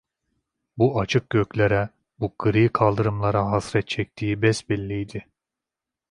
Bu açık göklere, bu gri kaldırımlara hasret çektiği besbelliydi.